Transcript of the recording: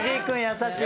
優しい。